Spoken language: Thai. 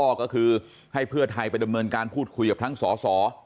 ก็คือให้เพื่อไทยไปดำเนินการพูดคุยกับทั้งสส